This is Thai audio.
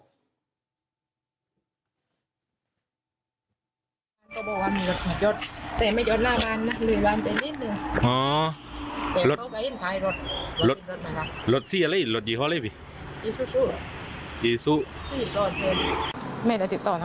ก็ยัดลงถังสีฟ้าขนาด๒๐๐ลิตร